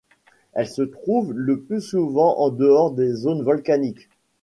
Elles se trouvent le plus souvent en dehors des zones volcaniques.